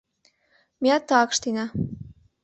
Меат тыгак ыштена.